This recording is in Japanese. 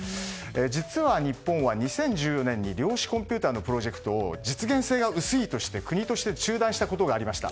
実は日本は２０１０年に量子コンピューターのプロジェクトを実現性が薄いとして国として中断したことがありました。